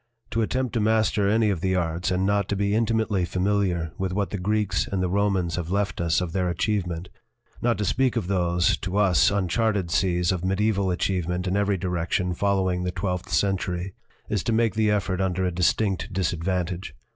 To attempt to master any of the arts and not to be intimately familiar with what the Greeks and the Romans have left us of their achievement not to speak of those, to us, uncharted seas of medieval achievement in every direction following the twelfth century is to make the effort under a distinct disadvantage.